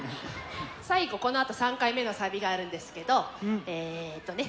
最後このあと３回目のサビがあるんですけどえっとねグルグル回すでしょ。